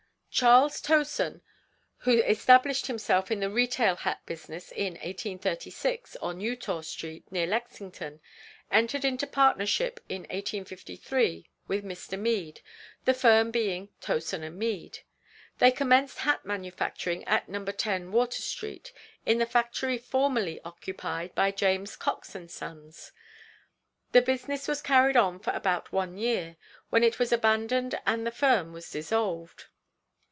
Charles Towson, who established himself in the retail hat business in 1836, on Eutaw street, near Lexington, entered into partnership in 1853 with Mr. Mead, the firm being Towson & Mead; they commenced hat manufacturing at No. 10 Water street, in the factory formerly occupied by Jas. Cox & Sons. The business was carried on for about one year, when it was abandoned and the firm was dissolved.